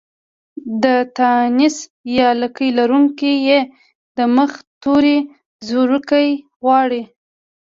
د تانيث يا لکۍ لرونکې ۍ د مخه توری زورکی غواړي.